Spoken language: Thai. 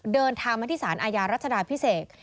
เดินทางมาที่ศาลอายารัฐธรรมพิเศษ